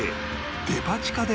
デパ地下で販売